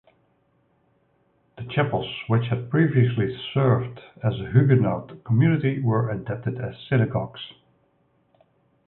The chapels, which had previously served the Huguenot community, were adapted as synagogues.